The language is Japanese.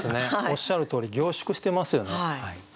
おっしゃるとおり凝縮してますよね。